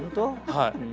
はい。